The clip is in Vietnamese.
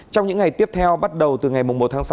trong những ngày tiếp theo bắt đầu từ ngày một tháng sáu